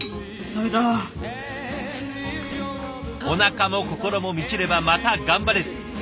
おなかも心も満ちればまた頑張れる。